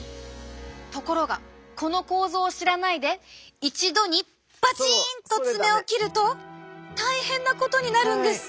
ところがこの構造を知らないで一度にバチンと爪を切ると大変なことになるんです！